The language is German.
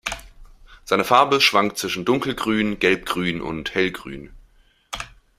Seine Farbe schwankt zwischen dunkelgrün, gelbgrün und hellgrün.